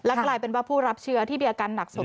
กลายเป็นว่าผู้รับเชื้อที่มีอาการหนักสุด